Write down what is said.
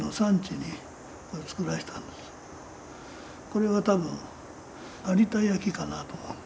これは多分有田焼かなと思う。